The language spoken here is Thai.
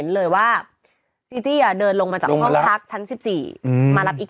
เลยว่าจี้จี้อ่ะเดินลงมาจากห้องพักชั้นสิบสี่อืมมารับอีค